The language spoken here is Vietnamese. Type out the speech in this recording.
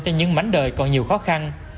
cho những mảnh đời còn nhiều khó khăn